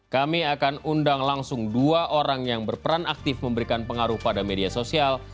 kami akan undang langsung dua orang yang berperan aktif memberikan pengaruh pada media sosial